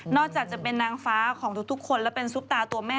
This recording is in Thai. จากจะเป็นนางฟ้าของทุกคนและเป็นซุปตาตัวแม่